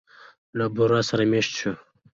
له بورا سره مېشت شوو.